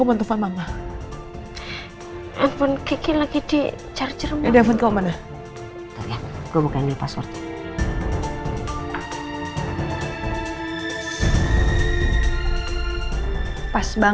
eh mbak andin